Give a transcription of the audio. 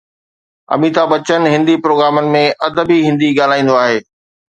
اميتاڀ بچن هندي پروگرامن ۾ ادبي هندي ڳالهائيندو آهي.